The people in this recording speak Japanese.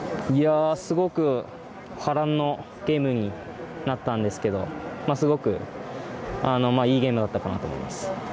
すごく波乱のゲームになったんですけど、いいゲームだったかなと思います。